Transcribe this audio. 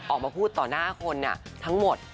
ออกมาพูดต่อหน้าคนทั้งหมด